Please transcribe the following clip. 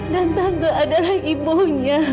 dan tante adalah ibunya